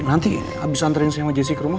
nanti habis antarin saya sama jessy ke rumah